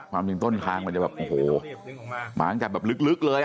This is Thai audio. ความจริงต้นทางมันจะแบบโอ้โหมาตั้งแต่แบบลึกเลย